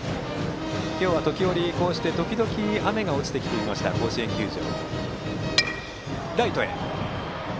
今日は時折、こうして雨が落ちていました甲子園球場。